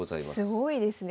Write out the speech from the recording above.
すごいですね。